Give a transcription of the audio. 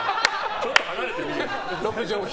ちょっと離れてみれば。